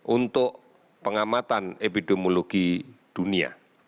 untuk pengamatan epidemiologi dunia